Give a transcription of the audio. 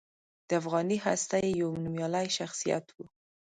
د افغاني هستې یو نومیالی شخصیت و.